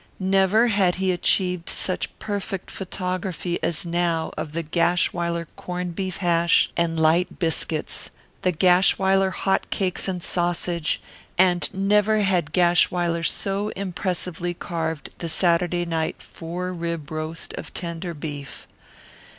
Never had he achieved such perfect photography as now of the Gashwiler corned beef hash and light biscuits, the Gashwiler hot cakes and sausage, and never had Gashwiler so impressively carved the Saturday night four rib roast of tender beef.